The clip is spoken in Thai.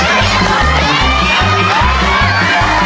เริ่มครับ